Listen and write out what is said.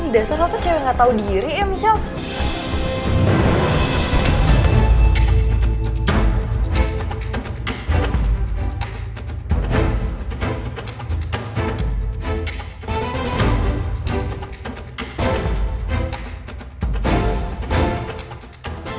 desa lo tuh cewek gak tau diri ya michelle